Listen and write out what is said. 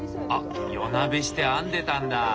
あっ夜なべして編んでたんだ。